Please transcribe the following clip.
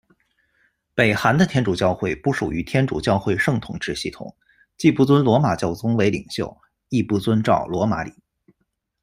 北韩的天主教会不属于天主教会圣统制系统，既不尊罗马教宗为领袖，亦不遵照罗马礼。